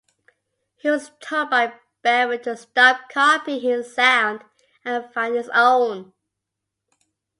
He was told by Belvin to stop copying his sound and find his own.